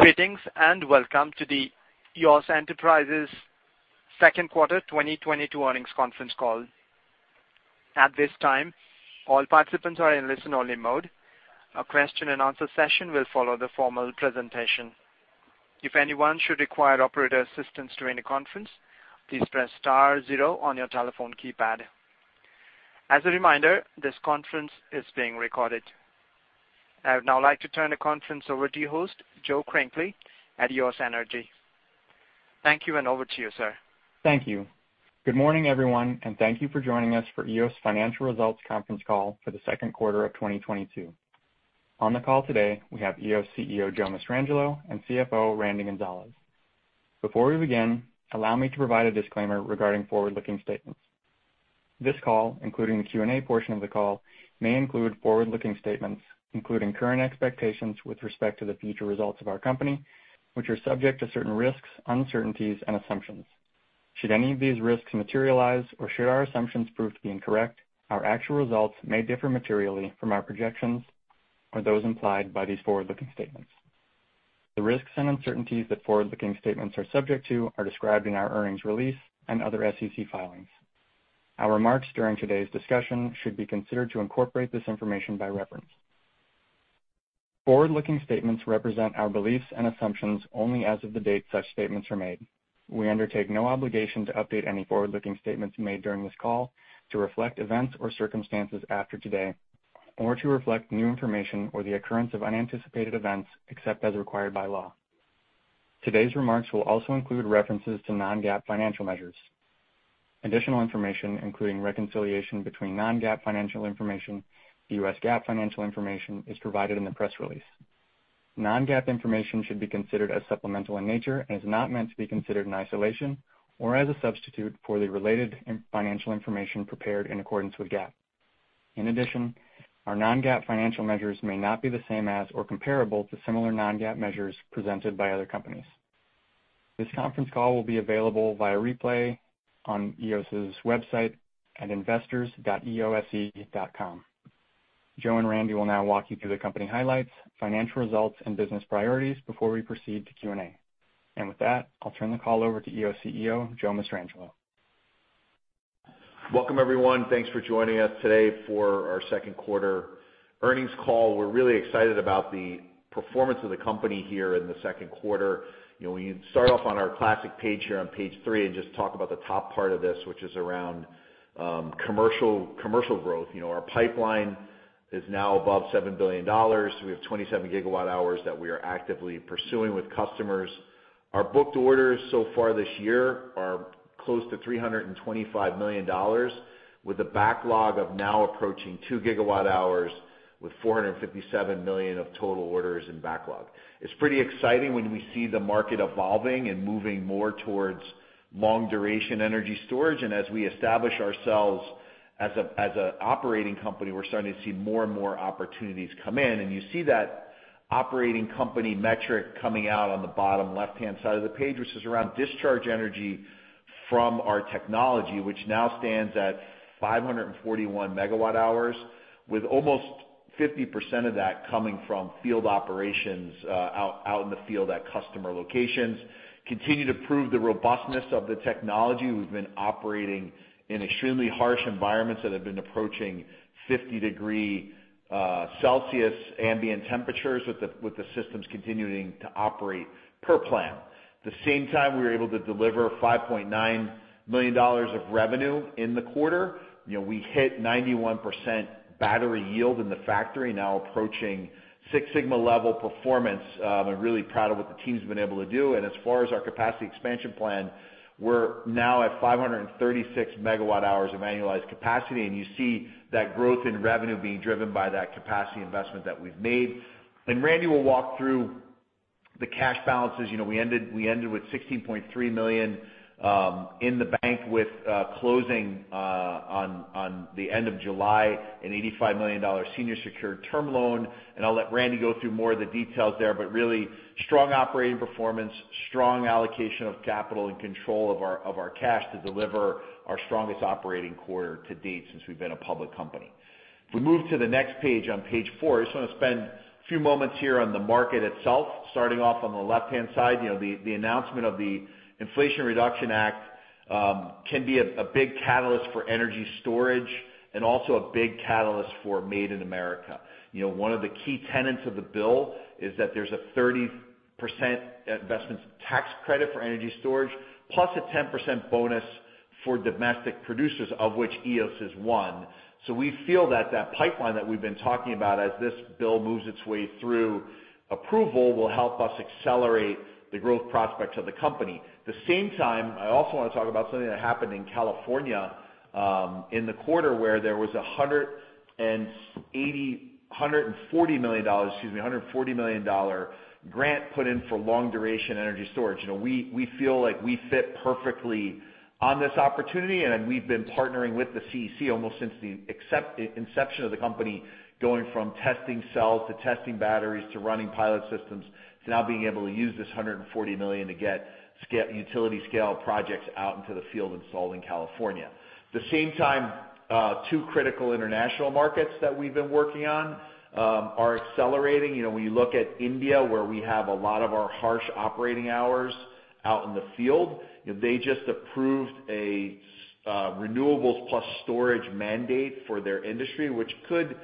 Greetings and welcome to the Eos Energy Enterprises' second quarter 2022 earnings conference call. At this time, all participants are in listen-only mode. A question-and-answer session will follow the formal presentation. If anyone should require operator assistance during the conference, please press star zero on your telephone keypad. As a reminder, this conference is being recorded. I would now like to turn the conference over to your host, Joe Crinkley at Eos Energy Enterprises. Thank you, and over to you, sir. Thank you. Good morning, everyone, and thank you for joining us for Eos financial results conference call for the second quarter of 2022. On the call today, we have Eos CEO, Joe Mastrangelo, and CFO, Randy Gonzales. Before we begin, allow me to provide a disclaimer regarding forward-looking statements. This call, including the Q&A portion of the call, may include forward-looking statements, including current expectations with respect to the future results of our company, which are subject to certain risks, uncertainties and assumptions. Should any of these risks materialize or should our assumptions prove to be incorrect, our actual results may differ materially from our projections or those implied by these forward-looking statements. The risks and uncertainties that forward-looking statements are subject to are described in our earnings release and other SEC filings. Our remarks during today's discussion should be considered to incorporate this information by reference. Forward-looking statements represent our beliefs and assumptions only as of the date such statements are made. We undertake no obligation to update any forward-looking statements made during this call to reflect events or circumstances after today or to reflect new information or the occurrence of unanticipated events, except as required by law. Today's remarks will also include references to non-GAAP financial measures. Additional information, including reconciliation between non-GAAP financial information, the U.S. GAAP financial information, is provided in the press release. Non-GAAP information should be considered as supplemental in nature and is not meant to be considered in isolation or as a substitute for the related financial information prepared in accordance with GAAP. In addition, our non-GAAP financial measures may not be the same as or comparable to similar non-GAAP measures presented by other companies. This conference call will be available via replay on Eos's website at investors.eose.com. Joe and Randy will now walk you through the company highlights, financial results, and business priorities before we proceed to Q&A. With that, I'll turn the call over to Eos CEO, Joe Mastrangelo. Welcome, everyone. Thanks for joining us today for our second quarter earnings call. We're really excited about the performance of the company here in the second quarter. You know, we start off on our classic page here on page 3 and just talk about the top part of this, which is around commercial growth. You know, our pipeline is now above $7 billion. We have 27 GWh that we are actively pursuing with customers. Our booked orders so far this year are close to $325 million with a backlog of now approaching 2 GWh with $457 million of total orders in backlog. It's pretty exciting when we see the market evolving and moving more towards long duration energy storage. As we establish ourselves as a operating company, we're starting to see more and more opportunities come in. You see that operating company metric coming out on the bottom left-hand side of the page, which is around discharge energy from our technology, which now stands at 541 MWh, with almost 50% of that coming from field operations out in the field at customer locations. To continue to prove the robustness of the technology, we've been operating in extremely harsh environments that have been approaching 50 degrees Celsius ambient temperatures, with the systems continuing to operate per plan. At the same time, we were able to deliver $5.9 million of revenue in the quarter. You know, we hit 91% battery yield in the factory, now approaching Six Sigma level performance. I'm really proud of what the team's been able to do. As far as our capacity expansion plan, we're now at 536 MWh of annualized capacity. You see that growth in revenue being driven by that capacity investment that we've made. Randy will walk through the cash balances. You know, we ended with $16.3 million in the bank with closing at the end of July, an $85 million senior secured term loan. I'll let Randy go through more of the details there. Really strong operating performance, strong allocation of capital and control of our cash to deliver our strongest operating quarter to date since we've been a public company. If we move to the next page, on page 4, I just want to spend a few moments here on the market itself. Starting off on the left-hand side, you know, the announcement of the Inflation Reduction Act can be a big catalyst for energy storage and also a big catalyst for Made in America. You know, one of the key tenets of the bill is that there's a 30% investment tax credit for energy storage, plus a 10% bonus for domestic producers, of which EOS is one. We feel that that pipeline that we've been talking about as this bill moves its way through approval will help us accelerate the growth prospects of the company. At the same time, I also want to talk about something that happened in California in the quarter where there was $140 million, excuse me, a $140 million grant put in for long duration energy storage. You know, we feel like we fit perfectly on this opportunity. We've been partnering with the CEC almost since the inception of the company. Going from testing cells to testing batteries, to running pilot systems, to now being able to use this $140 million to get utility scale projects out into the field installed in California. At the same time, two critical international markets that we've been working on are accelerating. You know, when you look at India, where we have a lot of our harsh operating hours out in the field, they just approved a renewables plus storage mandate for their industry, which could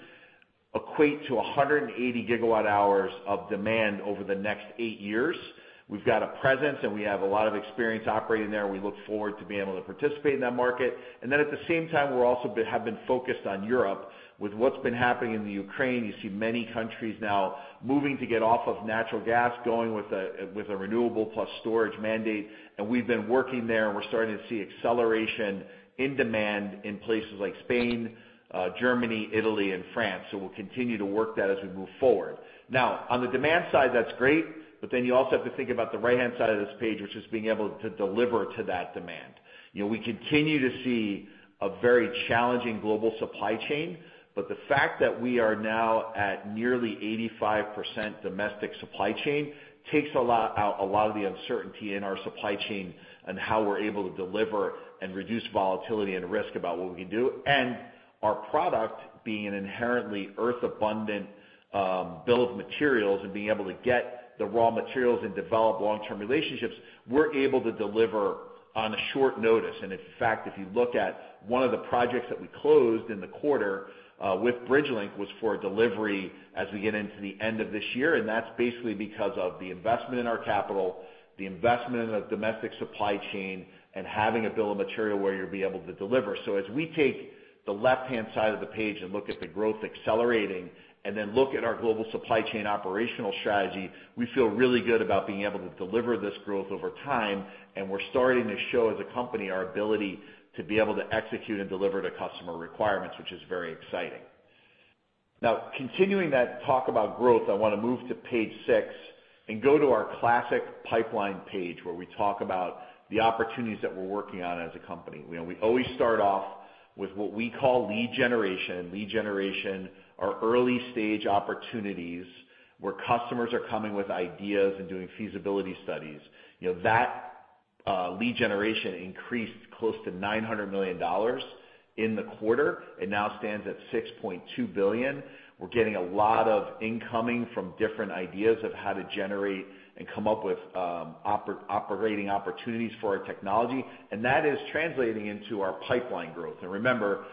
equate to 180 GWh of demand over the next eight years. We've got a presence, and we have a lot of experience operating there. We look forward to being able to participate in that market. Then at the same time, we're also have been focused on Europe. With what's been happening in Ukraine, you see many countries now moving to get off of natural gas, going with a renewable plus storage mandate. We've been working there, and we're starting to see acceleration in demand in places like Spain, Germany, Italy, and France. We'll continue to work that as we move forward. Now, on the demand side, that's great, but then you also have to think about the right-hand side of this page, which is being able to deliver to that demand. You know, we continue to see a very challenging global supply chain, but the fact that we are now at nearly 85% domestic supply chain takes a lot of the uncertainty in our supply chain on how we're able to deliver and reduce volatility and risk about what we can do. Our product, being an inherently earth-abundant bill of materials, and being able to get the raw materials and develop long-term relationships, we're able to deliver on short notice. In fact, if you look at one of the projects that we closed in the quarter with Bridgelink, was for a delivery as we get into the end of this year, and that's basically because of the investment in our capital, the investment in a domestic supply chain, and having a bill of material where you'll be able to deliver. As we take the left-hand side of the page and look at the growth accelerating, and then look at our global supply chain operational strategy, we feel really good about being able to deliver this growth over time, and we're starting to show as a company our ability to be able to execute and deliver to customer requirements, which is very exciting. Now, continuing that talk about growth, I wanna move to page 6 and go to our classic pipeline page, where we talk about the opportunities that we're working on as a company. You know, we always start off with what we call lead generation. Lead generation are early-stage opportunities where customers are coming with ideas and doing feasibility studies. You know, that lead generation increased close to $900 million in the quarter and now stands at $6.2 billion. We're getting a lot of incoming from different ideas of how to generate and come up with operating opportunities for our technology, and that is translating into our pipeline growth. Remember,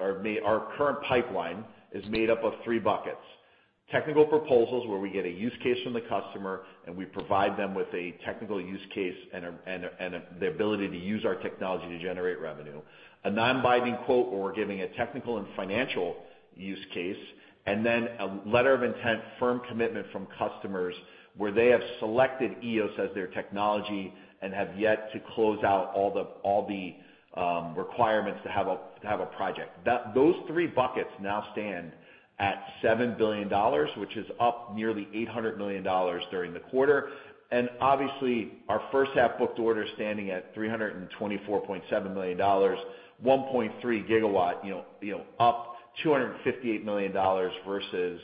our current pipeline is made up of three buckets. Technical proposals, where we get a use case from the customer, and we provide them with a technical use case and the ability to use our technology to generate revenue. A non-binding quote where we're giving a technical and financial use case. And then, a letter of intent, firm commitment from customers where they have selected Eos as their technology, and have yet to close out all the requirements to have a project. Those three buckets now stand at $7 billion, which is up nearly $800 million during the quarter. Obviously, our first half booked orders standing at $324.7 million, 1.3 GW, you know, up $258 million versus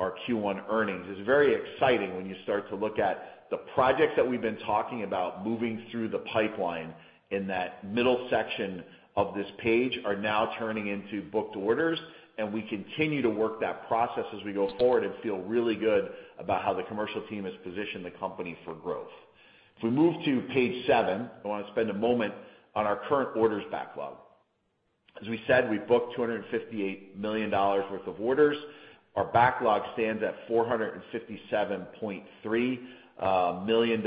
our Q1 earnings. It's very exciting when you start to look at the projects that we've been talking about, moving through the pipeline in that middle section of this page, are now turning into booked orders. And we continue to work that process as we go forward, and feel really good about how the commercial team has positioned the company for growth. If we move to page 7, I wanna spend a moment on our current orders backlog. As we said, we booked $258 million worth of orders. Our backlog stands at $457.3 million.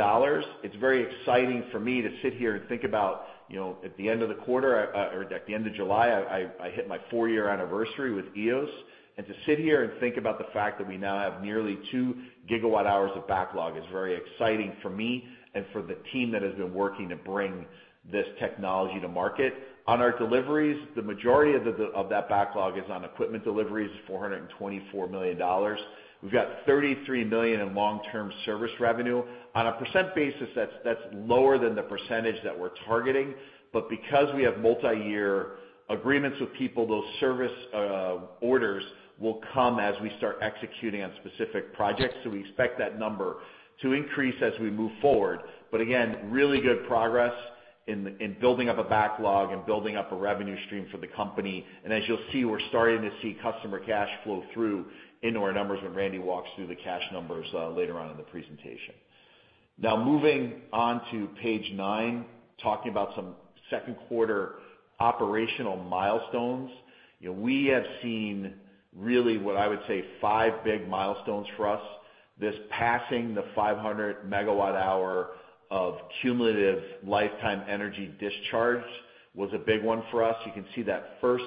It's very exciting for me to sit here and think about, you know, at the end of the quarter, or at the end of July, I hit my four-year anniversary with Eos. To sit here and think about the fact that we now have nearly 2 GWh of backlog is very exciting for me and for the team that has been working to bring this technology to market. On our deliveries, the majority of that backlog is on equipment deliveries, $424 million. We've got $33 million in long-term service revenue. On a percent basis, that's lower than the percentage that we're targeting. Because we have multi-year agreements with people, those service orders will come as we start executing on specific projects. We expect that number to increase as we move forward. Again, really good progress in building up a backlog and building up a revenue stream for the company. As you'll see, we're starting to see customer cash flow through into our numbers when Randy walks through the cash numbers later on in the presentation. Now, moving on to page 9, talking about some second quarter operational milestones. You know, we have seen really what I would say five big milestones for us. This passing the 500 MWh of cumulative lifetime energy discharge was a big one for us. You can see that first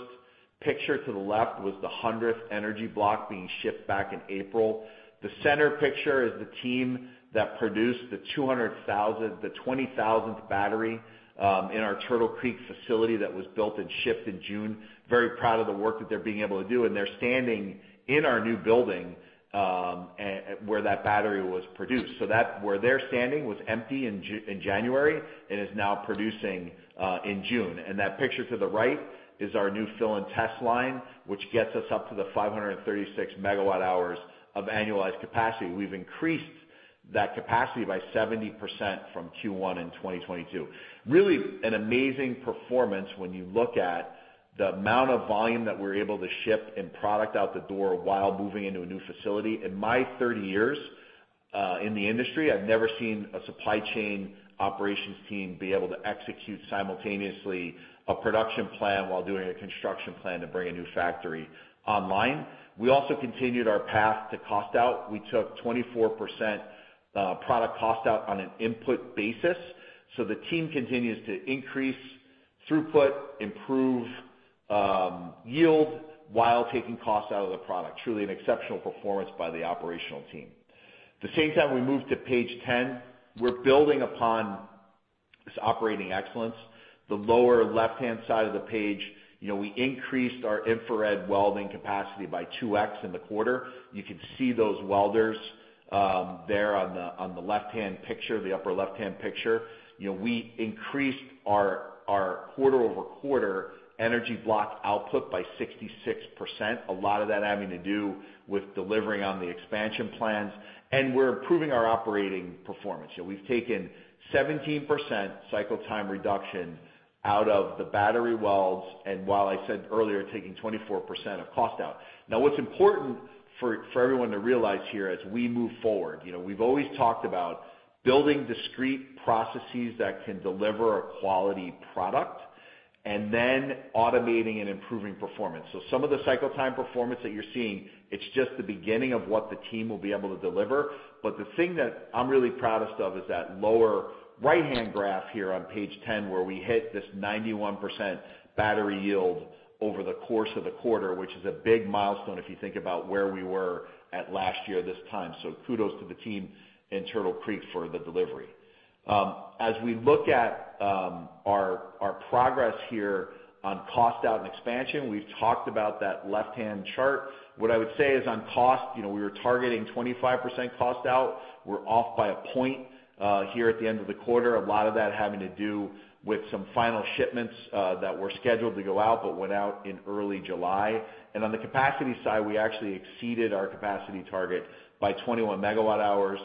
picture to the left was the 100th Energy Block being shipped back in April. The center picture is the team that produced the 20,000th battery in our Turtle Creek facility that was built and shipped in June. Very proud of the work that they're being able to do, and they're standing in our new building, where that battery was produced. Where they're standing was empty in January and is now producing in June. That picture to the right is our new fill and test line, which gets us up to the 536 MWh of annualized capacity. We've increased that capacity by 70% from Q1 in 2022. Really an amazing performance when you look at the amount of volume that we're able to ship and product out the door while moving into a new facility. In my 30 years in the industry, I've never seen a supply chain operations team be able to execute simultaneously a production plan while doing a construction plan to bring a new factory online. We also continued our path to cost out. We took 24% product cost out on an input basis. The team continues to increase throughput, improve yield, while taking costs out of the product. Truly an exceptional performance by the operational team. At the same time, we move to page 10. We're building upon this operating excellence. The lower left-hand side of the page, you know, we increased our infrared welding capacity by 2x in the quarter. You can see those welders there on the left-hand picture, the upper left-hand picture. You know, we increased our quarter-over-quarter Energy Block output by 66%. A lot of that having to do with delivering on the expansion plans, and we're improving our operating performance. You know, we've taken 17% cycle time reduction out of the battery welds, and while I said earlier, taking 24% of cost out. Now, what's important for everyone to realize here as we move forward, you know, we've always talked about building discrete processes that can deliver a quality product, and then automating and improving performance. Some of the cycle time performance that you're seeing, it's just the beginning of what the team will be able to deliver. The thing that I'm really proudest of is that lower right-hand graph here on page 10, where we hit this 91% battery yield over the course of the quarter, which is a big milestone if you think about where we were at last year this time. Kudos to the team in Turtle Creek for the delivery. As we look at our progress here on cost out and expansion, we've talked about that left-hand chart. What I would say is, on cost, you know, we were targeting 25% cost out. We're off by a point here at the end of the quarter. A lot of that having to do with some final shipments that were scheduled to go out but went out in early July. On the capacity side, we actually exceeded our capacity target by 21 MWh.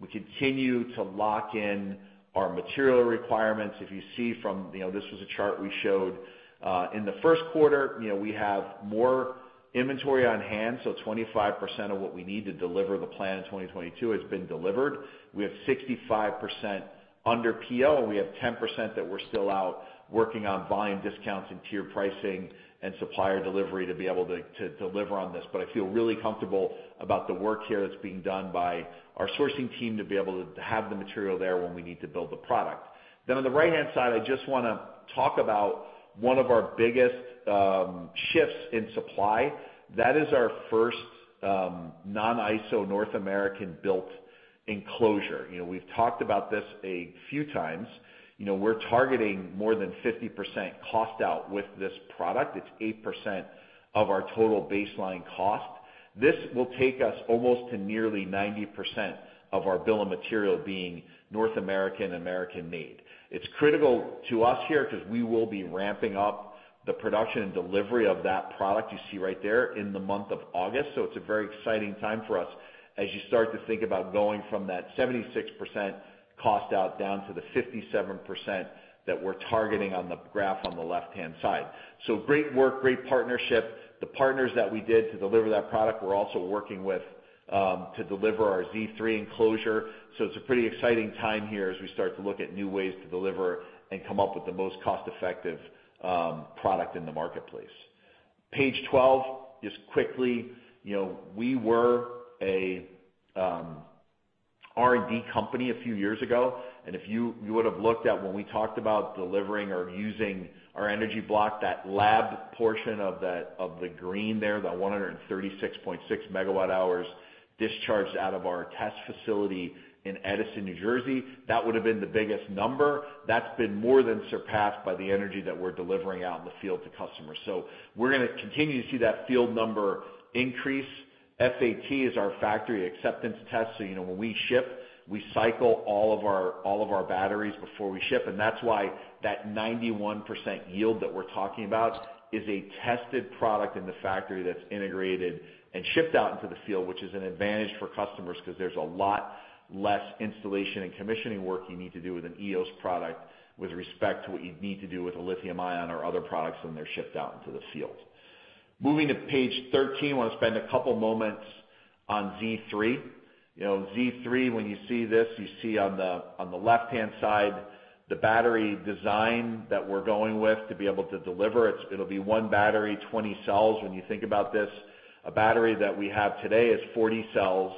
We continue to lock in our material requirements. If you see from, you know, this was a chart we showed in the first quarter, you know, we have more inventory on hand, so 25% of what we need to deliver the plan in 2022 has been delivered. We have 65% under PO, and we have 10% that we're still out working on volume discounts and tier pricing and supplier delivery to be able to deliver on this. I feel really comfortable about the work here that's being done by our sourcing team to be able to have the material there when we need to build the product. On the right-hand side, I just wanna talk about one of our biggest shifts in supply. That is our first non-ISO North American-built enclosure. You know, we've talked about this a few times. You know, we're targeting more than 50% cost out with this product. It's 8% of our total baseline cost. This will take us almost to nearly 90% of our bill of material being North American-made. It's critical to us here 'cause we will be ramping up the production and delivery of that product you see right there in the month of August. It's a very exciting time for us as you start to think about going from that 76% cost out down to the 57% that we're targeting on the graph on the left-hand side. Great work, great partnership. The partners that we did to deliver that product, we're also working with, to deliver our Z3 enclosure. It's a pretty exciting time here as we start to look at new ways to deliver and come up with the most cost-effective, product in the marketplace. Page 12, just quickly, you know, we were a R&D company a few years ago. And if you would have looked at when we talked about delivering or using our Energy Block, that lab portion of that, of the green there, the 136.6 MWh discharged out of our test facility in Edison, New Jersey, that would have been the biggest number. That's been more than surpassed by the energy that we're delivering out in the field to customers. We're gonna continue to see that field number increase. FAT is our factory acceptance test. You know, when we ship, we cycle all of our batteries before we ship. That's why that 91% yield that we're talking about is a tested product in the factory that's integrated and shipped out into the field, which is an advantage for customers 'cause there's a lot less installation and commissioning work you need to do with an Eos product with respect to what you'd need to do with a lithium ion or other products when they're shipped out into the field. Moving to page 13, wanna spend a couple moments on Z3. You know, Z3, when you see this, you see on the left-hand side, the battery design that we're going with to be able to deliver. It'll be one battery, 20 cells. When you think about this, a battery that we have today is 40 cells.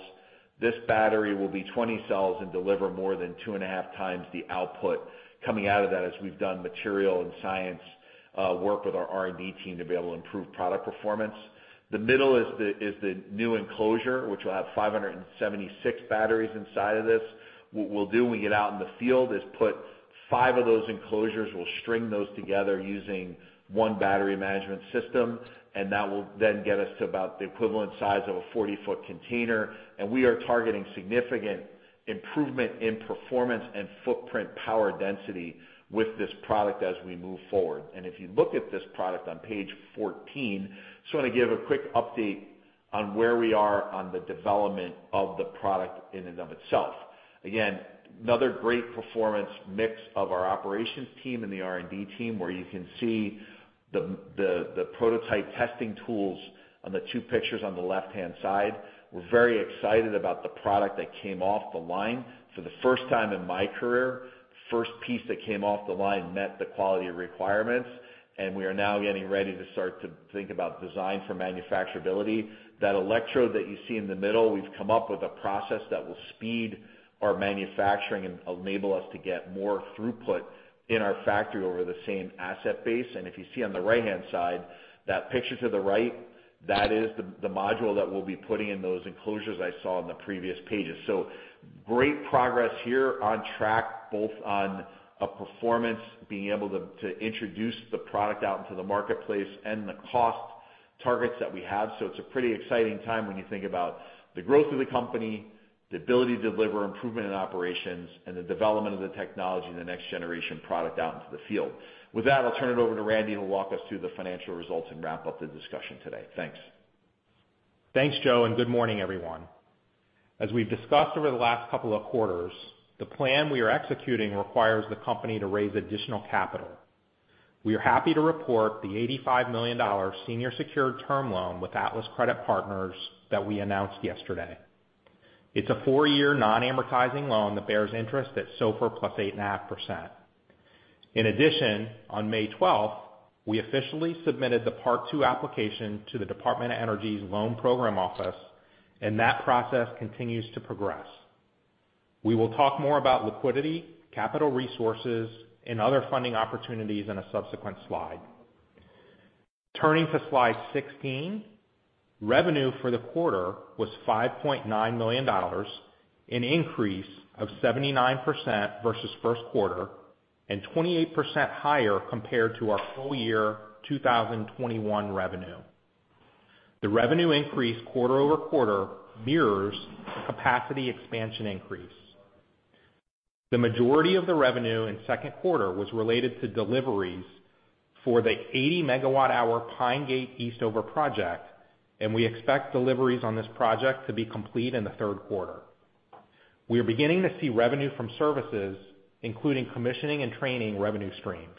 This battery will be 20 cells, and deliver more than 2.5x the output coming out of that as we've done material and science work with our R&D team to be able to improve product performance. The middle is the new enclosure, which will have 576 batteries inside of this. What we'll do when we get out in the field is put five of those enclosures. We'll string those together using one battery management system, and that will then get us to about the equivalent size of a 40-foot container. We are targeting significant improvement in performance and footprint power density with this product as we move forward. If you look at this product on page 14, just wanna give a quick update on where we are on the development of the product in and of itself. Again, another great performance mix of our operations team and the R&D team, where you can see the prototype testing tools on the two pictures on the left-hand side. We're very excited about the product that came off the line. For the first time in my career, first piece that came off the line met the quality requirements, and we are now getting ready to start to think about design for manufacturability. That electrode that you see in the middle, we've come up with a process that will speed our manufacturing and enable us to get more throughput in our factory over the same asset base. If you see on the right-hand side, that picture to the right, that is the module that we'll be putting in those enclosures I saw on the previous pages. Great progress here on track, both on a performance, being able to introduce the product out into the marketplace, and the cost targets that we have. It's a pretty exciting time when you think about the growth of the company, the ability to deliver improvement in operations, and the development of the technology and the next-generation product out into the field. With that, I'll turn it over to Randy, who'll walk us through the financial results and wrap up the discussion today. Thanks. Thanks, Joe, and good morning, everyone. As we've discussed over the last couple of quarters, the plan we are executing requires the company to raise additional capital. We are happy to report the $85 million senior secured term loan with Atlas Credit Partners that we announced yesterday. It's a four-year non-amortizing loan that bears interest at SOFR plus 8.5%. In addition, on May 12, we officially submitted the Part Two application to the U.S. Department of Energy's Loan Programs Office, and that process continues to progress. We will talk more about liquidity, capital resources, and other funding opportunities in a subsequent slide. Turning to slide 16, revenue for the quarter was $5.9 million, an increase of 79% versus first quarter and 28% higher compared to our full year 2021 revenue. The revenue increase quarter-over-quarter mirrors capacity expansion increase. The majority of the revenue in second quarter was related to deliveries for the 80 MWh Pine Gate Eastover project, and we expect deliveries on this project to be complete in the third quarter. We are beginning to see revenue from services, including commissioning and training revenue streams.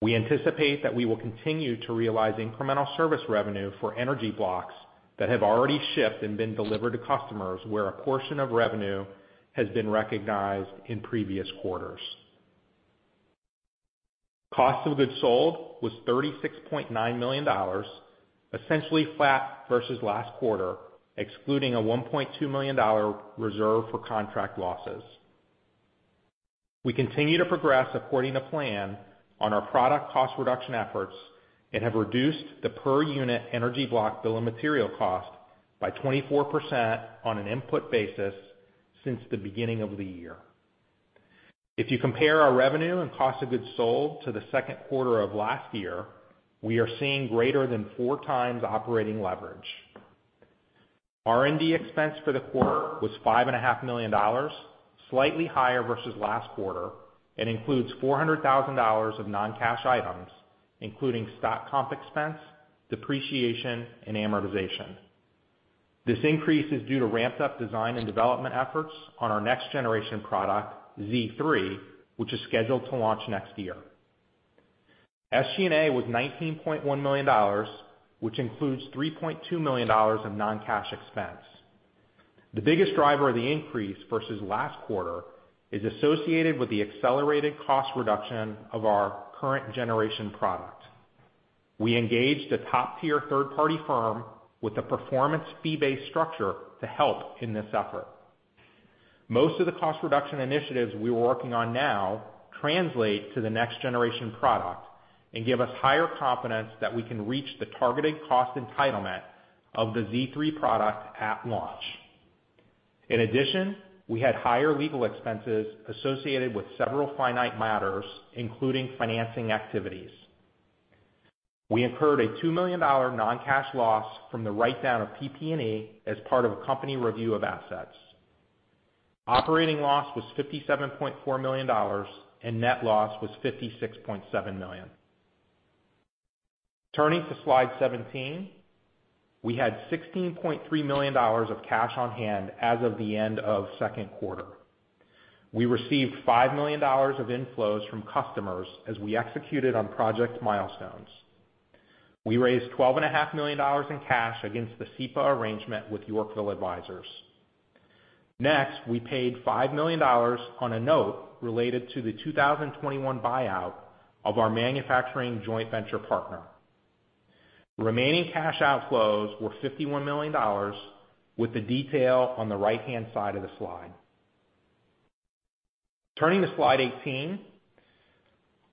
We anticipate that we will continue to realize incremental service revenue for Energy Blocks that have already shipped and been delivered to customers, where a portion of revenue has been recognized in previous quarters. Cost of goods sold was $36.9 million, essentially flat versus last quarter, excluding a $1.2 million reserve for contract losses. We continue to progress according to plan on our product cost reduction efforts, and have reduced the per unit Energy Block bill of material cost by 24% on an input basis since the beginning of the year. If you compare our revenue and cost of goods sold to the second quarter of last year, we are seeing greater than 4x operating leverage. R&D expense for the quarter was $5.5 million, slightly higher versus last quarter, and includes $400,000 of non-cash items, including stock comp expense, depreciation, and amortization. This increase is due to ramped-up design and development efforts on our next-generation product, Z3, which is scheduled to launch next year. SG&A was $19.1 million, which includes $3.2 million of non-cash expense. The biggest driver of the increase versus last quarter is associated with the accelerated cost reduction of our current generation product. We engaged a top-tier third-party firm with a performance fee-based structure to help in this effort. Most of the cost reduction initiatives we are working on now translate to the next generation product, and give us higher confidence that we can reach the targeted cost entitlement of the Z3 product at launch. In addition, we had higher legal expenses associated with several finite matters, including financing activities. We incurred a $2 million non-cash loss from the write-down of PP&E as part of a company review of assets. Operating loss was $57.4 million, and net loss was $56.7 million. Turning to slide 17. We had $16.3 million of cash on hand as of the end of second quarter. We received $5 million of inflows from customers as we executed on project milestones. We raised $12.5 million in cash against the SEPA arrangement with Yorkville Advisors. Next, we paid $5 million on a note related to the 2021 buyout of our manufacturing joint venture partner. Remaining cash outflows were $51 million, with the detail on the right-hand side of the slide. Turning to slide 18.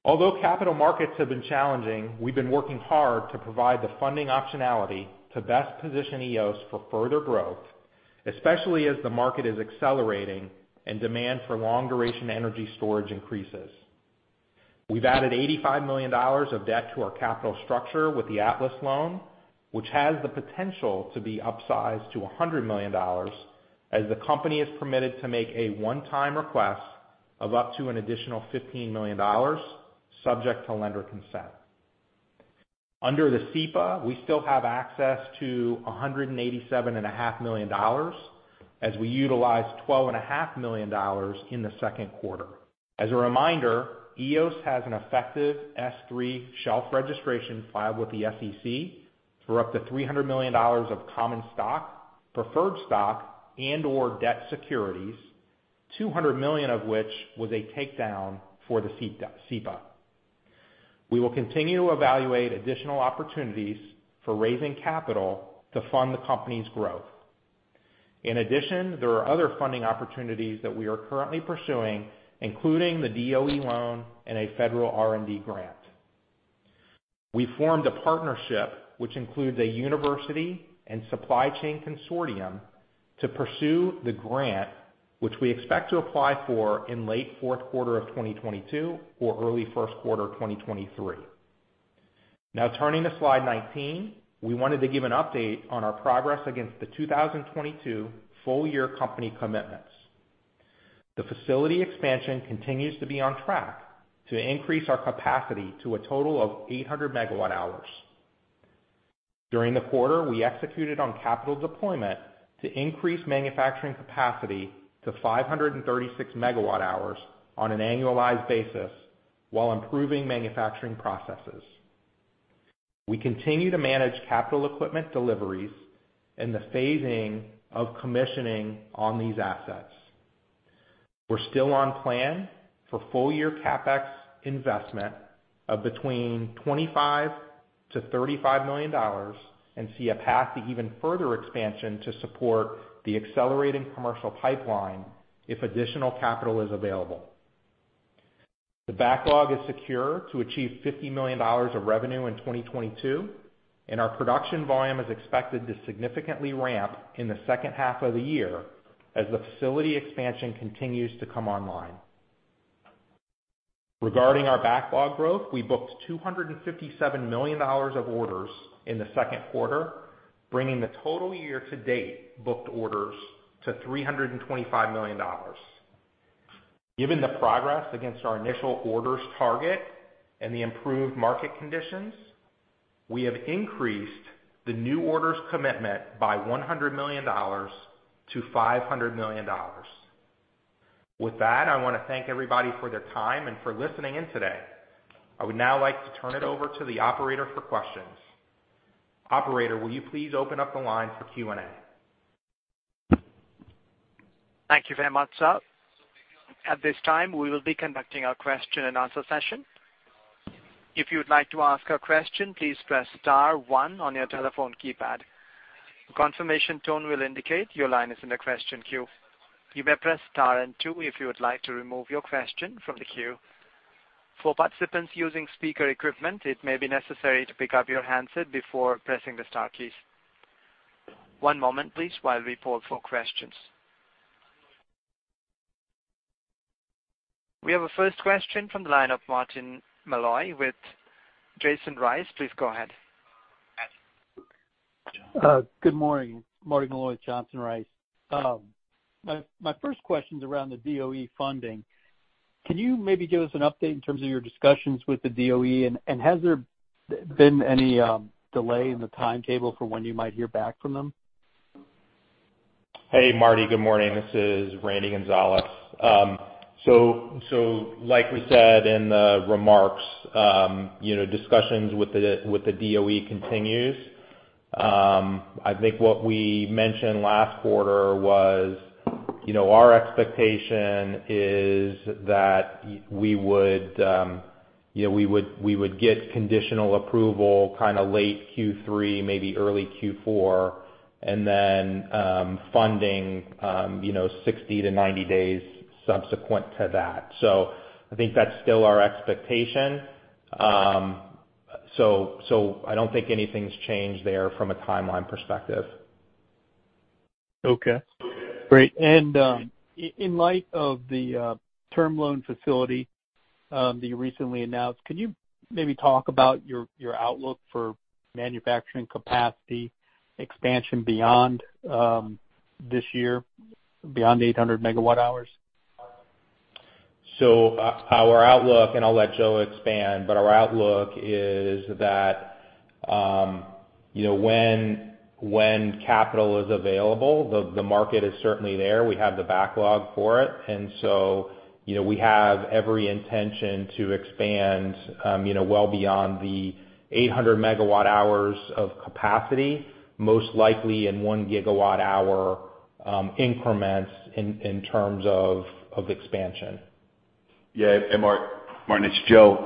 Although capital markets have been challenging, we've been working hard to provide the funding optionality to best position Eos for further growth, especially as the market is accelerating and demand for long-duration energy storage increases. We've added $85 million of debt to our capital structure with the Atlas loan, which has the potential to be upsized to $100 million as the company is permitted to make a one-time request of up to an additional $15 million subject to lender consent. Under the SEPA, we still have access to $187.5 million as we utilize $12.5 million in the second quarter. As a reminder, Eos has an effective S-3 shelf registration filed with the SEC for up to $300 million of common stock, preferred stock, and/or debt securities, $200 million of which was a takedown for the SEPA. We will continue to evaluate additional opportunities for raising capital to fund the company's growth. In addition, there are other funding opportunities that we are currently pursuing, including the DOE loan and a federal R&D grant. We formed a partnership which includes a university and supply chain consortium to pursue the grant, which we expect to apply for in late fourth quarter of 2022 or early first quarter of 2023. Now turning to slide 19, we wanted to give an update on our progress against the 2022 full-year company commitments. The facility expansion continues to be on track to increase our capacity to a total of 800 MWh. During the quarter, we executed on capital deployment to increase manufacturing capacity to 536 MWh on an annualized basis, while improving manufacturing processes. We continue to manage capital equipment deliveries and the phasing of commissioning on these assets. We're still on plan for full-year CapEx investment of between $25 million-$35 million, and see a path to even further expansion to support the accelerating commercial pipeline if additional capital is available. The backlog is secure to achieve $50 million of revenue in 2022, and our production volume is expected to significantly ramp in the second half of the year as the facility expansion continues to come online. Regarding our backlog growth, we booked $257 million of orders in the second quarter, bringing the total year-to-date booked orders to $325 million. Given the progress against our initial orders target and the improved market conditions, we have increased the new orders commitment by $100 million to $500 million. With that, I want to thank everybody for their time and for listening in today. I would now like to turn it over to the operator for questions. Operator, will you please open up the line for Q&A? Thank you very much, sir. At this time, we will be conducting our question-and-answer session. If you would like to ask a question, please press star one on your telephone keypad. A confirmation tone will indicate your line is in the question queue. You may press star and two if you would like to remove your question from the queue. For participants using speaker equipment, it may be necessary to pick up your handset before pressing the star keys. One moment, please, while we poll for questions. We have a first question from the line of Martin Malloy with Johnson Rice. Please go ahead. Good morning. Martin Malloy with Johnson Rice. My first question's around the DOE funding. Can you maybe give us an update in terms of your discussions with the DOE? Has there been any delay in the timetable for when you might hear back from them? Hey, Marty. Good morning. This is Randy Gonzales. Like we said in the remarks, you know, discussions with the DOE continue. I think what we mentioned last quarter was, you know, our expectation is that we would get conditional approval kinda late Q3, maybe early Q4, and then funding, you know, 60-90 days subsequent to that. I think that's still our expectation. I don't think anything's changed there from a timeline perspective. Okay. Great. In light of the term loan facility that you recently announced, can you maybe talk about your outlook for manufacturing capacity expansion beyond this year, beyond 800 MWh? Our outlook, and I'll let Joe expand, but our outlook is that, you know, when capital is available, the market is certainly there. We have the backlog for it. You know, we have every intention to expand, you know, well beyond the 800 MWh of capacity, most likely in 1 GWh increments in terms of expansion. Martin, it's Joe.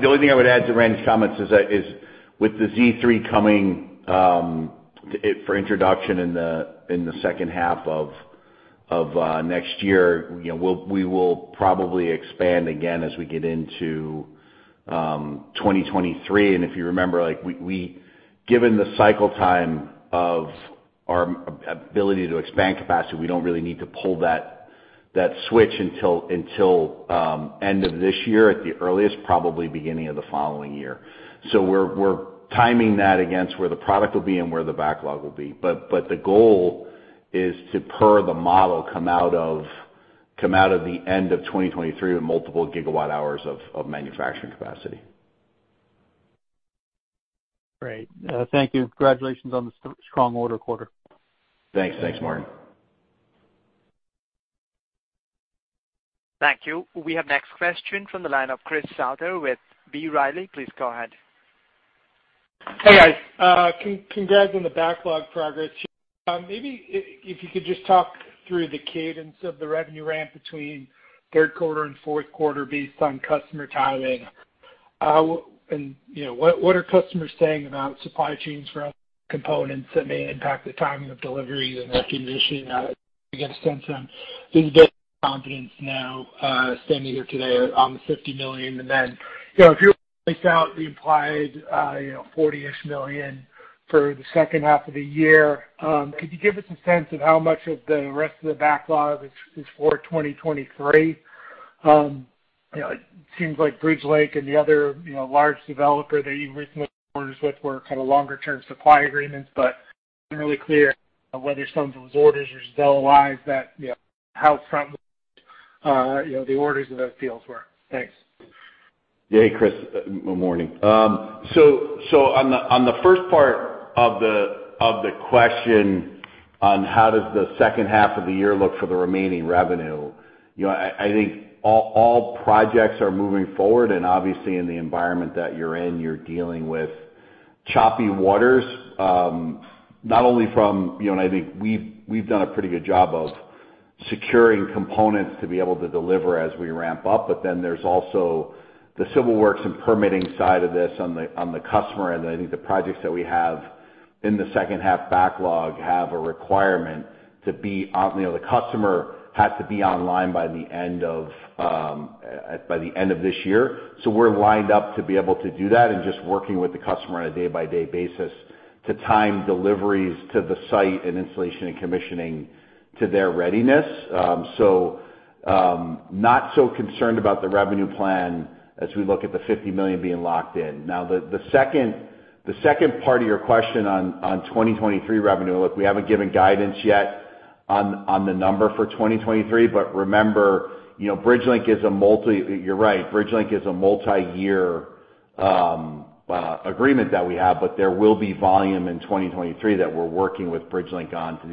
The only thing I would add to Randy's comments is that with the Z3 coming for introduction in the second half of next year, you know, we will probably expand again as we get into 2023. If you remember, like, given the cycle time of our ability to expand capacity, we don't really need to pull that switch until end of this year at the earliest, probably beginning of the following year. We're timing that against where the product will be and where the backlog will be. But the goal is to, per the model, come out of the end of 2023 with multiple gigawatt-hours of manufacturing capacity. Great. Thank you. Congratulations on the strong order quarter. Thanks. Thanks, Martin. Thank you. We have next question from the line of Chris Souther with B. Riley. Please go ahead. Hey, guys. Congrats on the backlog progress. Maybe if you could just talk through the cadence of the revenue ramp between third quarter and fourth quarter based on customer timing. And, you know, what are customers saying about supply chains for components that may impact the timing of deliveries and recognition? To get a sense of, there's a bit of confidence now, standing here today on the $50 million. You know, if you laid out the implied, you know, $40-ish million for the second half of the year, could you give us a sense of how much of the rest of the backlog is for 2023? You know, it seems like Bridgelink and the other, you know, large developer that you have recent orders with were kind of longer term supply agreements, but it hasn't been really clear whether some of those orders are still alive, you know, how front-loaded the orders in those deals were. Thanks. Yeah. Hey, Chris, morning. So on the first part of the question on how does the second half of the year look for the remaining revenue, you know, I think all projects are moving forward. And, obviously, in the environment that you're in, you're dealing with choppy waters, not only from, you know--and I think we've done a pretty good job of securing components to be able to deliver as we ramp up--but then there's also the civil works and permitting side of this on the customer end. I think the projects that we have in the second half backlog have a requirement to be on, you know, the customer has to be online by the end of this year. We're lined up to be able to do that, and just working with the customer on a day by day basis to time deliveries to the site and installation and commissioning to their readiness. Not so concerned about the revenue plan as we look at the $50 million being locked in. Now, the second part of your question on 2023 revenue, look, we haven't given guidance yet on the number for 2023. Remember, you know, Bridgelink is a multi-year agreement that we have, but there will be volume in 2023 that we're working with Bridgelink on to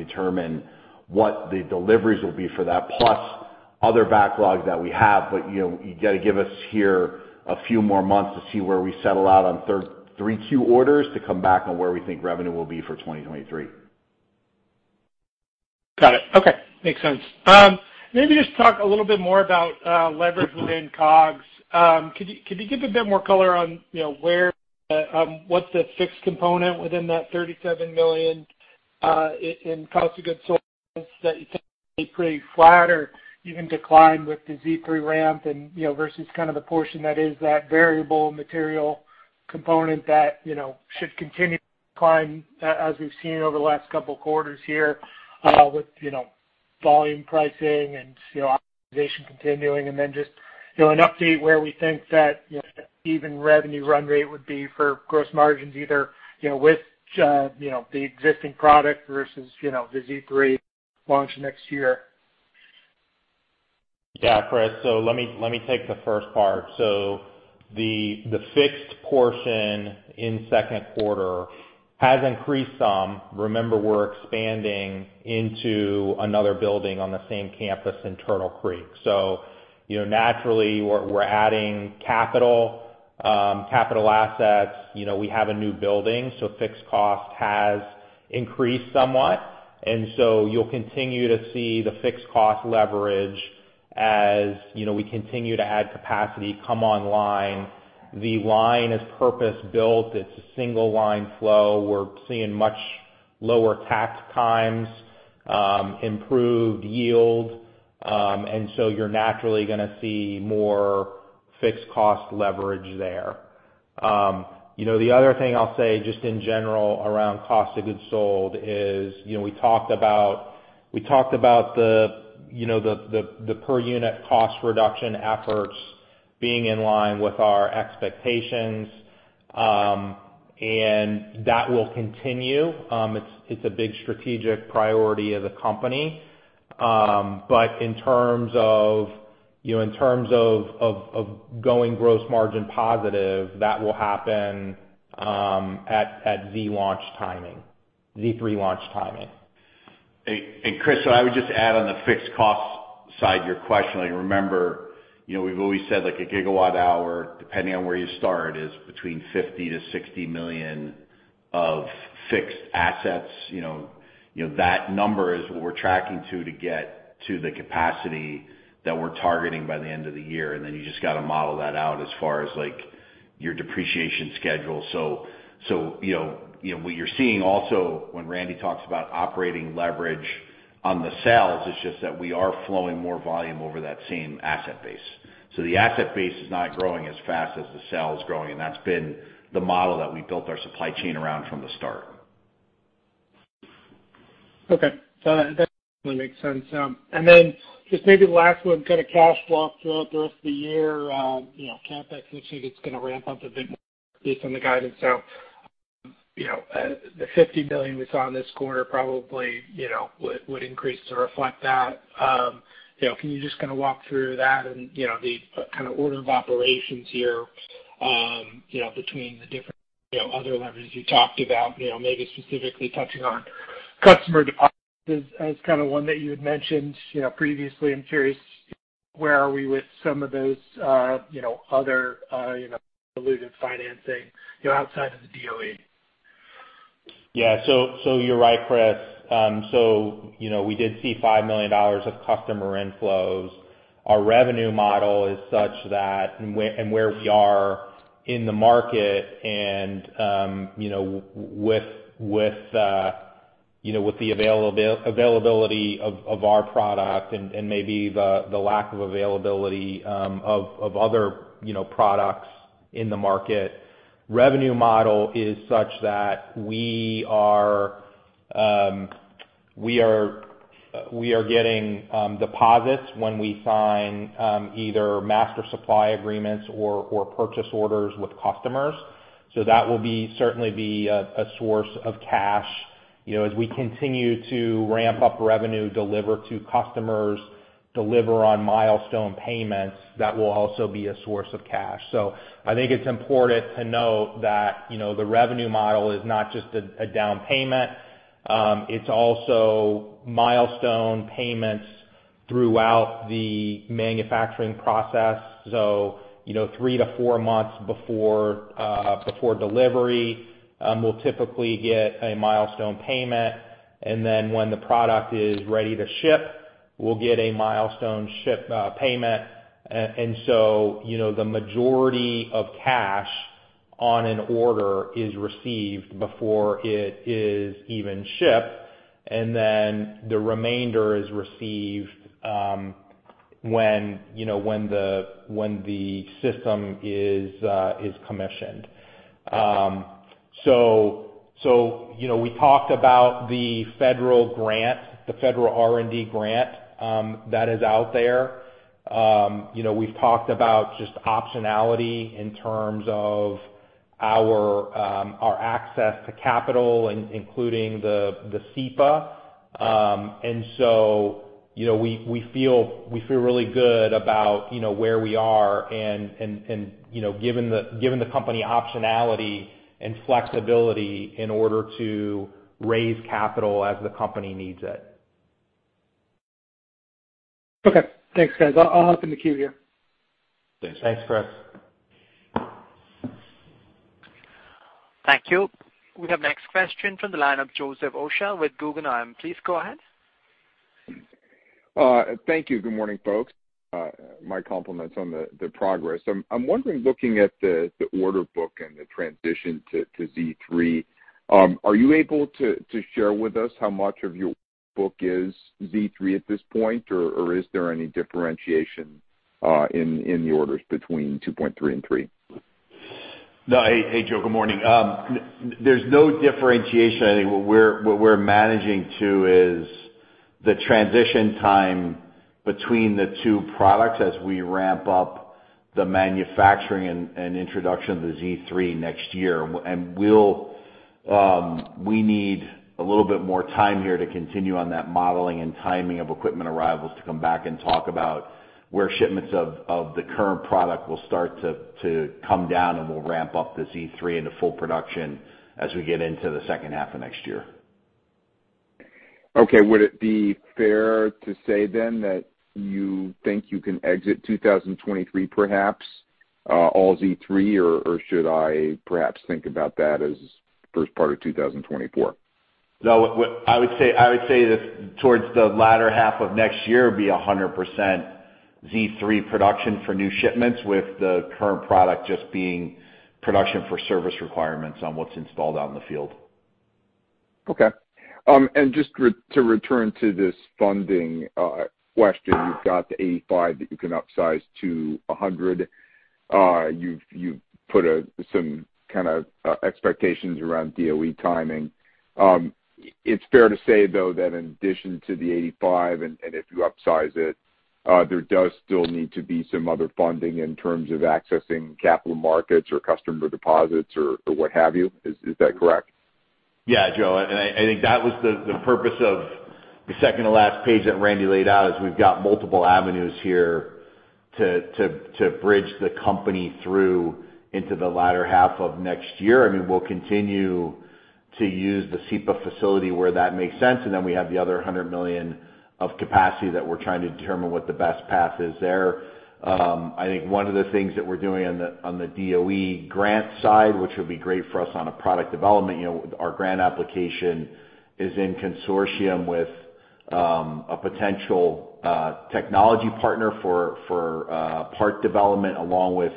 determine what the deliveries will be for that, plus other backlogs that we have. You know, you gotta give us here a few more months to see where we settle out on 3Q orders to come back on where we think revenue will be for 2023. Got it. Okay. Makes sense. Maybe just talk a little bit more about leverage within COGS. Could you give a bit more color on, you know, where what's the fixed component within that $37 million in cost of goods sold that you think be pretty flat or even decline with the Z3 ramp and, you know, versus kind of the portion that is that variable material component that, you know, should continue to decline as we've seen over the last couple of quarters here with, you know, volume pricing and, you know, optimization continuing? Just, you know, an update where we think that, you know, even revenue run rate would be for gross margins, either, you know, with, you know, the existing product versus, you know, the Z3 launch next year. Yeah, Chris. Let me take the first part. The fixed portion in second quarter has increased some. Remember, we're expanding into another building on the same campus in Turtle Creek. You know, naturally we're adding capital assets. You know, we have a new building, so fixed cost has increased somewhat. You'll continue to see the fixed cost leverage as, you know, we continue to add capacity come online. The line is purpose-built. It's a single line flow. We're seeing much lower takt times, improved yield. And so you're naturally gonna see more fixed cost leverage there. You know, the other thing I'll say just, in general, around cost of goods sold is, you know, we talked about the per unit cost reduction efforts being in line with our expectations, and that will continue. It's a big strategic priority of the company. In terms of, you know, going gross margin positive, that will happen at Z3 launch timing. Chris, I would just add on the fixed cost side, your question, like, remember, you know, we've always said like a gigawatt-hour, depending on where you start, is between $50 million-$60 million of fixed assets. You know, that number is what we're tracking to get to the capacity that we're targeting by the end of the year. Then you just gotta model that out as far as like your depreciation schedule. You know, what you're seeing also when Randy talks about operating leverage on the sales, it's just that we are flowing more volume over that same asset base. The asset base is not growing as fast as the sale is growing, and that's been the model that we built our supply chain around from the start. Okay. That definitely makes sense. Just, maybe the last one, kind of cash flow throughout the rest of the year. You know, CapEx looks like it's gonna ramp up a bit more based on the guidance. You know, the $50 million we saw in this quarter probably would increase to reflect that. You know, can you just kind of walk through that and the kind of order of operations here, you know, between the different other levers you talked about, you know, maybe specifically touching on customer deposits as kind of one that you had mentioned previously. I'm curious, where are we with some of those, you know, other alluded financing outside of the DOE? Yeah. You're right, Chris. You know, we did see $5 million of customer inflows. Our revenue model is such that, where we are in the market and, you know, with the availability of our product and maybe the lack of availability of other products in the market, we are getting deposits when we sign either master supply agreements or purchase orders with customers. That will certainly be a source of cash, you know, as we continue to ramp up revenue, deliver to customers, deliver on milestone payments. That will also be a source of cash. I think it's important to note that, you know, the revenue model is not just a down payment, it's also milestone payments throughout the manufacturing process. You know, three to four months before delivery, we'll typically get a milestone payment, and then when the product is ready to ship, we'll get a milestone ship payment. You know, the majority of cash on an order is received before it is even shipped, and then the remainder is received when the system is commissioned. You know, we talked about the federal grant, the federal R&D grant that is out there. You know, we've talked about just optionality in terms of our access to capital, including the SEPA. You know, we feel really good about, you know, where we are and, you know, given the company optionality and flexibility in order to raise capital as the company needs it. Okay. Thanks, guys. I'll hop in the queue here. Thanks, Chris. Thank you. We have next question from the line of Joseph Osha with Guggenheim. Please go ahead. Thank you. Good morning, folks. My compliments on the progress. I'm wondering, looking at the order book and the transition to Z3, are you able to share with us how much of your book is Z3 at this point, or is there any differentiation in the orders between 2.3 and 3? No. Hey, Joe. Good morning. There's no differentiation. I think what we're managing to is the transition time between the two products as we ramp up the manufacturing and introduction of the Z3 next year. We need a little bit more time here to continue on that modeling and timing of equipment arrivals to come back and talk about where shipments of the current product will start to come down, and we'll ramp up the Z3 into full production as we get into the second half of next year. Okay. Would it be fair to say then that you think you can exit 2023 perhaps, all Z3, or should I perhaps think about that as first part of 2024? No. What I would say that towards the latter half of next year would be 100% Z3 production for new shipments, with the current product just being production for service requirements on what's installed out in the field. Okay. Just to return to this funding question. You've got the $85 that you can upsize to $100. You've put some kind of expectations around DOE timing. It's fair to say, though, that in addition to the $85 and if you upsize it, there does still need to be some other funding in terms of accessing capital markets or customer deposits or what have you. Is that correct? Yeah, Joe, I think that was the purpose of the second to last page that Randy laid out, is we've got multiple avenues here to bridge the company through into the latter half of next year. I mean, we'll continue to use the SEPA facility where that makes sense, and then we have the other $100 million of capacity that we're trying to determine what the best path is there. I think one of the things that we're doing on the DOE grant side, which would be great for us on a product development, you know, our grant application is in consortium with a potential technology partner for part development along with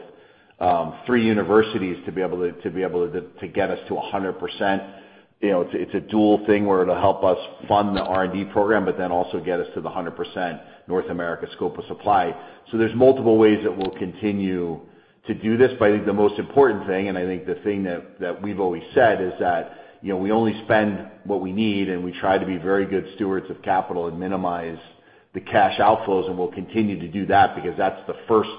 three universities to be able to get us to 100%. You know, it's a dual thing where it'll help us fund the R&D program, but then also get us to the 100% North America scope of supply. There's multiple ways that we'll continue to do this, but I think the most important thing, and I think the thing that we've always said, is that, you know, we only spend what we need, and we try to be very good stewards of capital and minimize the cash outflows, and we'll continue to do that because that's the first,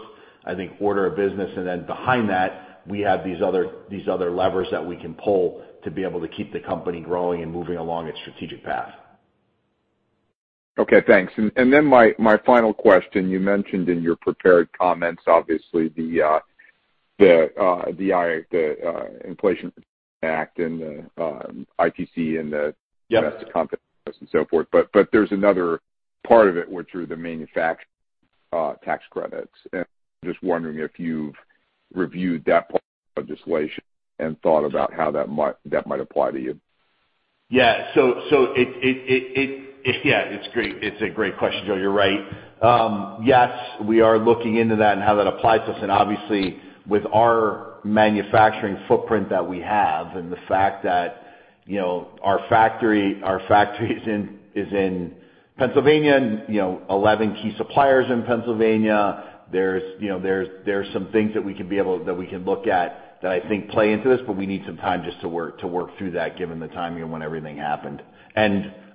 I think, order of business. Then behind that, we have these other levers that we can pull to be able to keep the company growing and moving along its strategic path. Okay, thanks. My final question: you mentioned in your prepared comments, obviously the Inflation Reduction Act and the ITC and the- Yeah.... domestic content and so forth. There's another part of it where through the manufacturing tax credits. Just wondering if you've reviewed that part of legislation and thought about how that might apply to you. Yeah, it's a great question, Joe. You're right. Yes, we are looking into that and how that applies to us. Obviously, with our manufacturing footprint that we have and the fact that, you know, our factory is in Pennsylvania and, you know, 11 key suppliers in Pennsylvania. There are some things that we can look at that I think play into this, but we need some time just to work through that given the timing of when everything happened.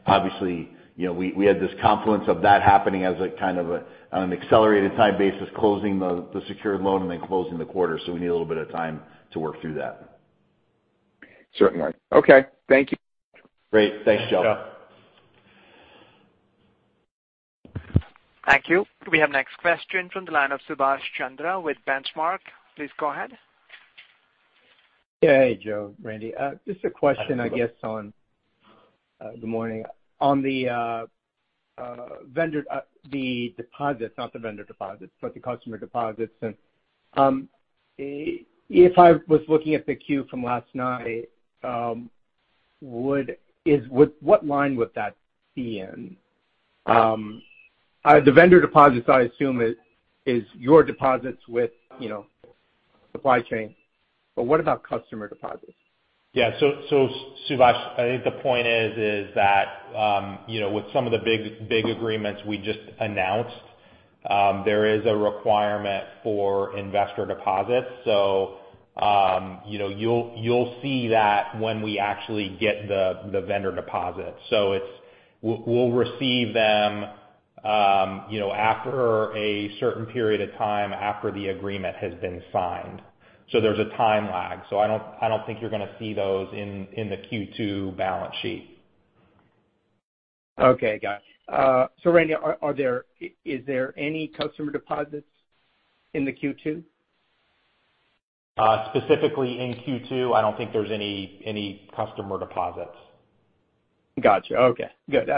Obviously, you know, we had this confluence of that happening as an accelerated time basis, closing the secured loan and then closing the quarter. We need a little bit of time to work through that. Certainly. Okay. Thank you. Great. Thanks, Joe. Yeah. Thank you. We have next question from the line of Subash Chandra with Benchmark. Please go ahead. Yeah. Hey, Joe, Randy. Just a question, I guess. Good morning. On the deposits, not the vendor deposits, but the customer deposits. If I was looking at the queue from last night, what line would that be in? The vendor deposits, I assume is your deposits with, you know, supply chain, but what about customer deposits? Subash, I think the point is that, you know, with some of the big agreements we just announced, there is a requirement for investor deposits. You'll see that when we actually get the vendor deposits. We'll receive them, you know, after a certain period of time after the agreement has been signed. There's a time lag. I don't think you're gonna see those in the Q2 balance sheet. Okay. Got it. Randy, are there any customer deposits in the Q2? Specifically in Q2, I don't think there's any customer deposits. Got you. Okay. Good.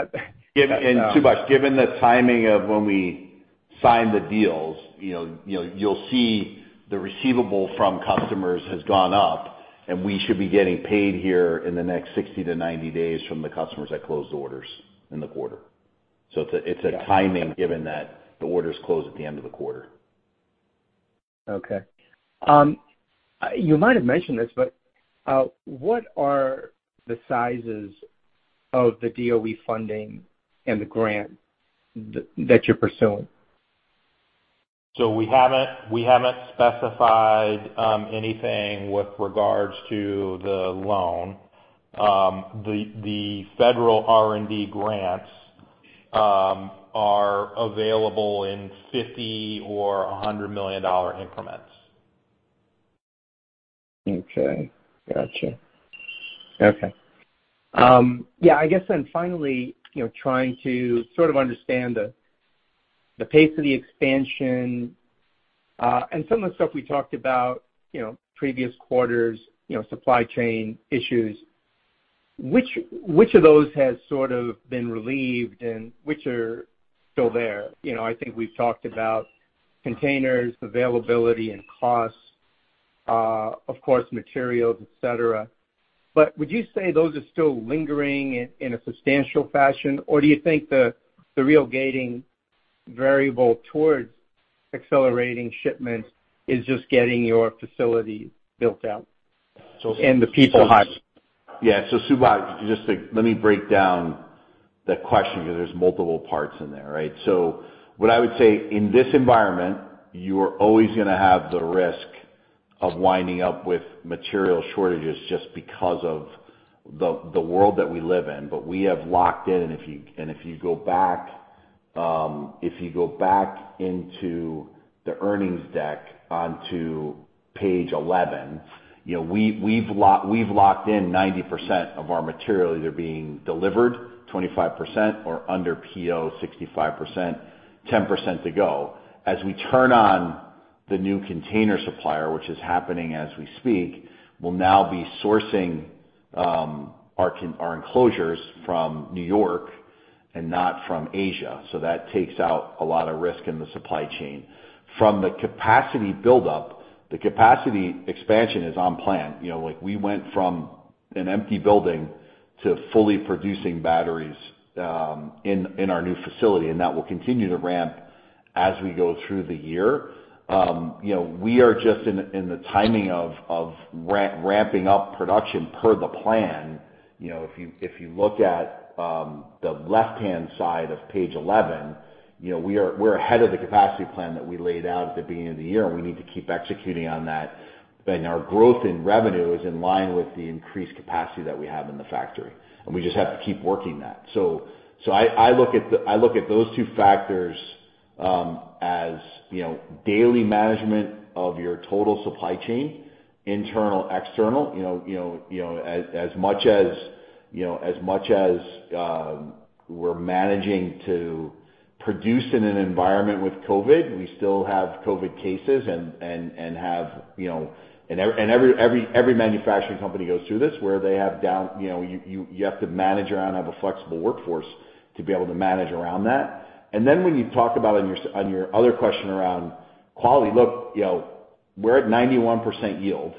Subash, given the timing of when we sign the deals, you know, you'll see the receivable from customers has gone up, and we should be getting paid here in the next 60-90 days from the customers that closed orders in the quarter. It's a timing given that the orders close at the end of the quarter. Okay. You might have mentioned this, but what are the sizes of the DOE funding and the grant that you're pursuing? We haven't specified anything with regards to the loan. The federal R&D grants are available in $50 million or $100 million increments. Okay. Gotcha. Okay. Yeah, I guess then finally, you know, trying to sort of understand the pace of the expansion, and some of the stuff we talked about, you know, previous quarters, you know, supply chain issues, which of those has sort of been relieved and which are still there? You know, I think we've talked about containers, availability and costs, of course, materials, et cetera. Would you say those are still lingering in a substantial fashion? Do you think the real gating variable towards accelerating shipments is just getting your facility built out and the people hired? Yeah. Subash, let me break down the question because there's multiple parts in there, right? What I would say in this environment, you are always gonna have the risk of winding up with material shortages just because of the world that we live in. We have locked in, and if you go back into the earnings deck onto page 11, you know, we've locked in 90% of our material either being delivered, 25%, or under PO, 65%, 10% to go. As we turn on the new container supplier, which is happening as we speak, we'll now be sourcing our enclosures from New York and not from Asia. That takes out a lot of risk in the supply chain. From the capacity build-up, the capacity expansion is on plan. You know, like we went from an empty building to fully producing batteries in our new facility, and that will continue to ramp as we go through the year. You know, we are just in the timing of ramping up production per the plan. You know, if you look at the left-hand side of page 11, you know, we are ahead of the capacity plan that we laid out at the beginning of the year, and we need to keep executing on that. Our growth in revenue is in line with the increased capacity that we have in the factory, and we just have to keep working that. I look at those two factors as you know, daily management of your total supply chain, internal, external, you know, as much as you know, as much as we're managing to produce in an environment with COVID. We still have COVID cases, and every manufacturing company goes through this. You know, you have to manage around, have a flexible workforce to be able to manage around that. Then when you talk about your other question around quality, look, you know, we're at 91% yield.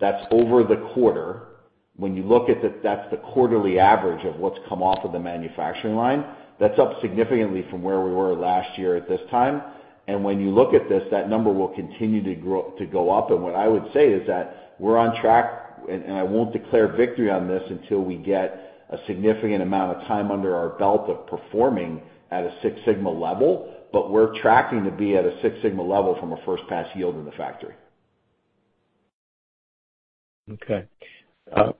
That's over the quarter. When you look at, that's the quarterly average of what's come off of the manufacturing line. That's up significantly from where we were last year at this time. When you look at this, that number will continue to grow to go up. What I would say is that we're on track, and I won't declare victory on this until we get a significant amount of time under our belt of performing at a Six Sigma level. We're tracking to be at a Six Sigma level from a first pass yield in the factory. Okay.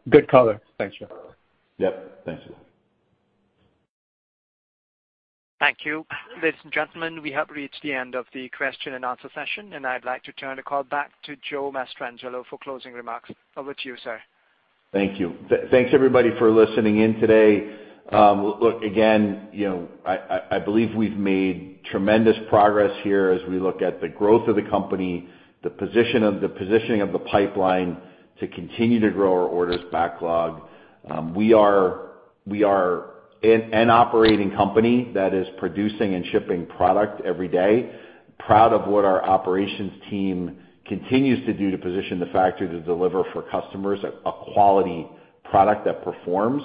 Good color. Thanks, Joe. Yep. Thanks. Thank you. Ladies and gentlemen, we have reached the end of the question-and-answer session, and I'd like to turn the call back to Joe Mastrangelo for closing remarks. Over to you, sir. Thank you. Thanks, everybody, for listening in today. Look, again, you know, I believe we've made tremendous progress here as we look at the growth of the company, the positioning of the pipeline to continue to grow our orders backlog. We are an operating company that is producing and shipping product every day. Proud of what our operations team continues to do to position the factory to deliver for customers a quality product that performs.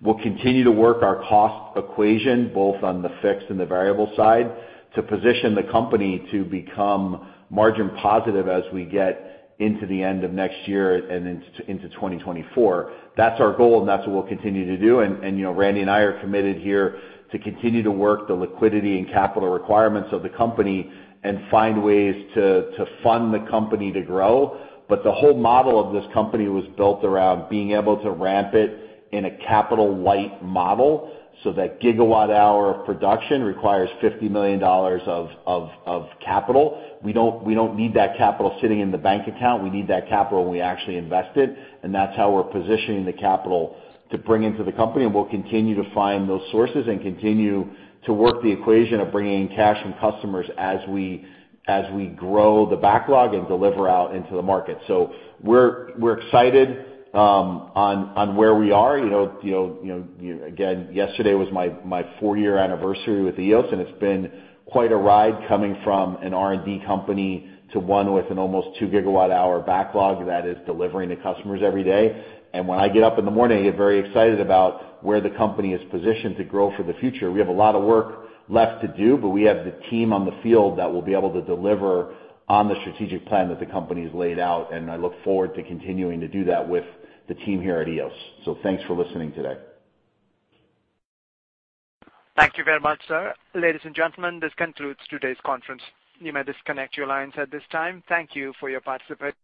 We'll continue to work our cost equation, both on the fixed and the variable side, to position the company to become margin positive as we get into the end of next year and into 2024. That's our goal, and that's what we'll continue to do. You know, Randy and I are committed here to continue to work the liquidity and capital requirements of the company and find ways to fund the company to grow. The whole model of this company was built around being able to ramp it in a capital-light model so that gigawatt-hour of production requires $50 million of capital. We don't need that capital sitting in the bank account. We need that capital when we actually invest it, and that's how we're positioning the capital to bring into the company. We'll continue to find those sources and continue to work the equation of bringing in cash from customers as we grow the backlog and deliver out into the market. We're excited on where we are. You know, again, yesterday was my four-year anniversary with Eos, and it's been quite a ride coming from an R&D company to one with an almost 2 GWh backlog that is delivering to customers every day. When I get up in the morning, I get very excited about where the company is positioned to grow for the future. We have a lot of work left to do, but we have the team on the field that will be able to deliver on the strategic plan that the company has laid out, and I look forward to continuing to do that with the team here at Eos. Thanks for listening today. Thank you very much, sir. Ladies and gentlemen, this concludes today's conference. You may disconnect your lines at this time. Thank you for your participation.